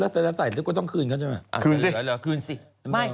ใส่นะใส่เนี่ยก็ต้องคืนใช่ไหมคืนสิ